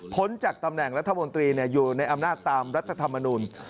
จากตำแหน่งรัฐมนตรีอยู่ในอำนาจตามรัฐธรรมนุน